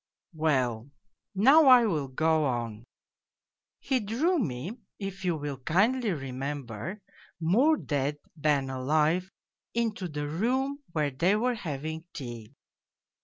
Well, now I will go on : he drew me, if you will kindly remember, more dead than alive into the room where they were having tea.